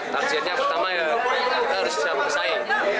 tarjiannya pertama kita harus siapkan saing